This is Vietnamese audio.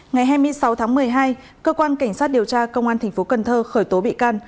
ngày hai mươi sáu tháng một mươi hai cơ quan cảnh sát điều tra công an tp cnh đã khởi tố ba vụ án và bắt tạm giam năm bị can